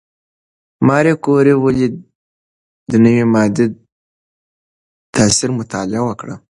ماري کوري ولې د نوې ماده د تاثیر مطالعه وکړه؟